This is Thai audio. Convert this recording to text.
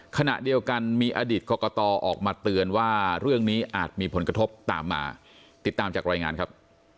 ขณะเดียวกันมีอดีตกรกตออกมาเตือนว่าเรื่องนี้อาจมีผลกระทบตามมาติดตามจากรายงานครับ